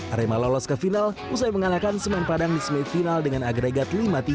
arema lolos ke final usai mengalahkan semen padang di semifinal dengan agregat lima tiga